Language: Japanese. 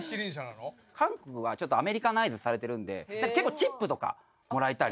韓国はちょっとアメリカナイズされてるんで結構チップとか貰えたり。